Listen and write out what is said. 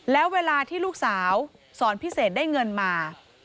แล้วเวลาที่ลูกสาวสอนพิเศษได้เงินมา